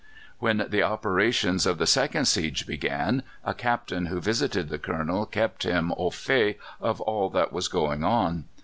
When the operations of the second siege began a Captain who visited the Colonel kept him au fait of all that was going on.